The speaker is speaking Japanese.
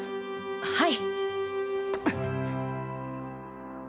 はい。